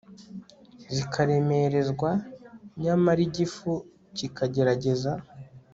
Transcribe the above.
zikaremerezwa nyamara igifu kikagerageza